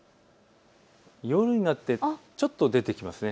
夜になってちょっと出てきますね。